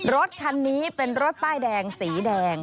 รถคันนี้เป็นรถป้ายแดงสีแดง